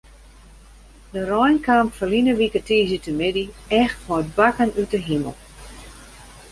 De rein kaam ferline wike tiisdeitemiddei echt mei bakken út de himel.